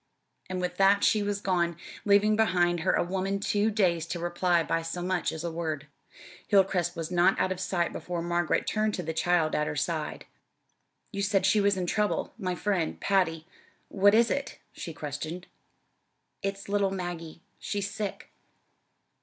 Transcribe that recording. And with that she was gone, leaving behind her a woman too dazed to reply by so much as a word. Hilcrest was not out of sight before Margaret turned to the child at her side. "You said she was in trouble my friend, Patty. What is it?" she questioned. "It's little Maggie. She's sick."